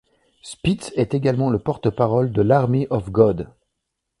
Spitz est également le porte-parole de l'Army of God.